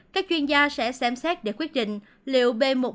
các chuyên gia sẽ xem xét để quyết định liệu b một một năm trăm hai mươi chín